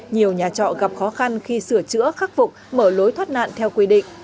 nhiều nhà trọ gặp khó khăn khi sửa chữa khắc phục mở lối thoát nạn theo quy định